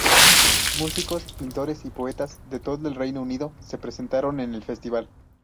Músicos, pintores y poetas de todo el Reino Unido se presentaron en el festival.